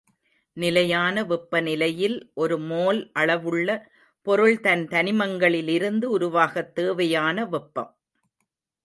நிலையான வெப்பநிலையில் ஒரு மோல் அளவுள்ள பொருள் தன் தனிமங்களிலிருந்து உருவாகத் தேவையான வெப்பம்.